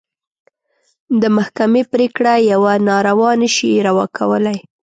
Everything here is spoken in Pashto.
د محکمې پرېکړه يوه ناروا نه شي روا کولی.